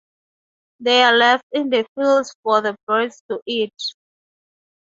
They are left in the fields for the birds to eat.